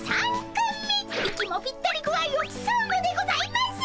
息もぴったり具合をきそうのでございます！